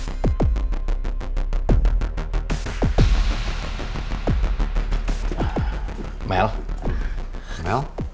pasti mau buka dayanya